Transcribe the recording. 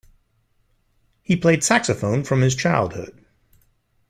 He played saxophone from his childhood.